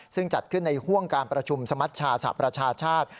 ซึ่งจัดขึ้นในห่วงการประชุมสมัชชาสหประชาชาติ